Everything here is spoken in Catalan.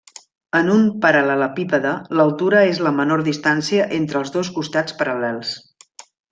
En un paral·lelepípede, l'altura és la menor distància entre els dos costats paral·lels.